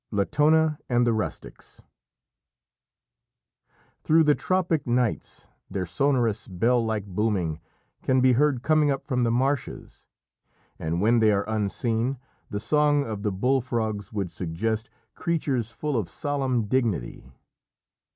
LATONA AND THE RUSTICS Through the tropic nights their sonorous, bell like booming can be heard coming up from the marshes, and when they are unseen, the song of the bull frogs would suggest creatures full of solemn dignity.